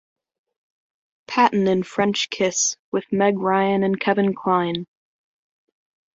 Patton in "French Kiss", with Meg Ryan and Kevin Kline.